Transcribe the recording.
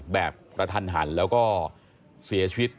แบบกระทันหันแล้วก็เสียชีวิต